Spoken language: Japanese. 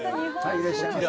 いらっしゃいませ。